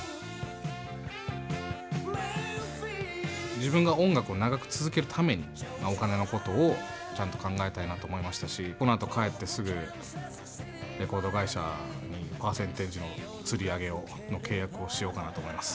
自分が音楽を長く続けるためにお金のことをちゃんと考えたいなと思いましたしこのあと帰ってすぐレコード会社にパーセンテージのつり上げの契約をしようかなと思います。